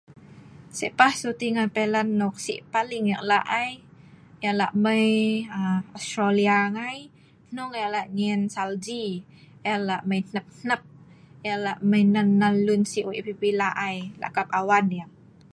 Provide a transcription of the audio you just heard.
Si pah Suti ngan pelan paling eek la Ai, eek la mai Australia ngai, Nong eek la nyien salji, eek la mai nep nep.eek la mai nal nal Si lun nok Wei pi pi la ‘ Ai , la kap awan eek.